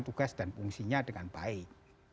tugas dan fungsinya dengan baik